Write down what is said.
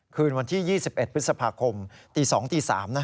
คืนวันที่๒๑พฤษภาคมตี๒ตี๓